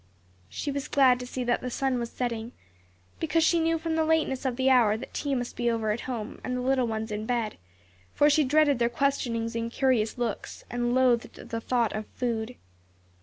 She was glad to see that the sun was setting; because she knew from the lateness of the hour that tea must be over at home, and the little ones in bed; for she dreaded their questionings and curious looks, and loathed the thought of food.